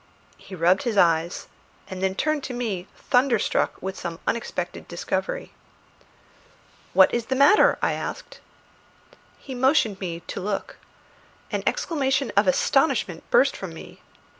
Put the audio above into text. He rubbed his eyes, and then turned to me thunderstruck with some unexpected discovery. "What is the matter?" I asked. He motioned to me to look. An exclamation of astonishment burst from me.